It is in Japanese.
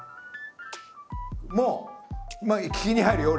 もう聞きに入るよ俺。